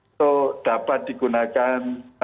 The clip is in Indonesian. untuk dapat digunakan